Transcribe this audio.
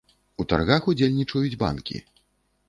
У таргах удзельнічаюць банкі.